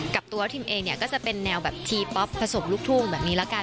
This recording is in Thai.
กับตัวทิมเองเนี่ยก็จะเป็นแนวแบบทีป๊อปผสมลูกทุ่งแบบนี้ละกัน